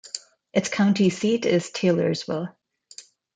Its county seat is Taylorsville.